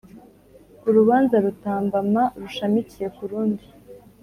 Urubanza rutambama rushamikiye ku rundi